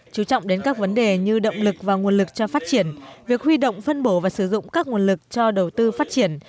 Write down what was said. chú trọng đến các vấn đề như động lực và nguồn lực cho phát triển việc huy động phân bổ và sử dụng các nguồn lực cho đầu tư phát triển